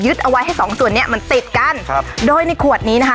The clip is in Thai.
เอาไว้ให้สองส่วนเนี้ยมันติดกันครับโดยในขวดนี้นะคะ